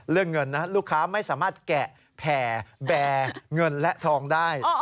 เงินนะลูกค้าไม่สามารถแกะแผ่แบร์เงินและทองได้